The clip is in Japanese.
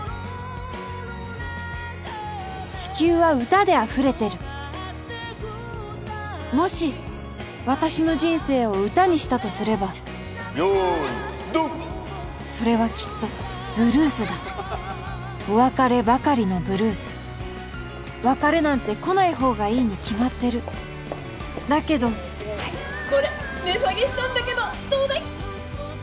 地球は歌であふれてるもし私の人生を歌にしたとすればよいどんそれはきっとブルースだお別ればかりのブルース別れなんて来ないほうがいいに決まってるだけどはいこれ値下げしたんだけどどうだい？